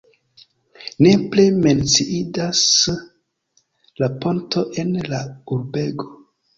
Nepre menciindas la ponto en la urbego.